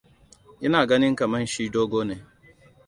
Ina ganin kamar shi dogo ne.